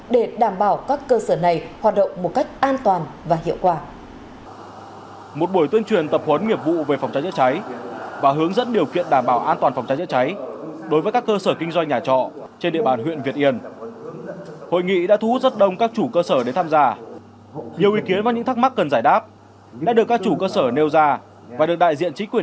để đảm bảo tuân thủ các quy định và điều kiện về an toàn phòng cháy chữa cháy